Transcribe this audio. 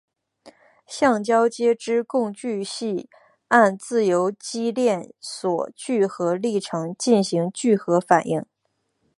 橡胶接枝共聚系按自由基链锁聚合历程进行聚合反应。